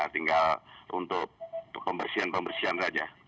tinggal untuk pembersihan pembersihan saja